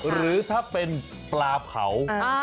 หรือถ้าเป็นปลาเผา